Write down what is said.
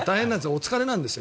お疲れなんですよ。